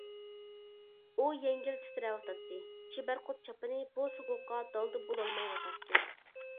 ئۇ يەڭگىل تىترەۋاتاتتى، چىبەرقۇت چاپىنى بۇ سوغۇققا دالدا بولالمايۋاتاتتى.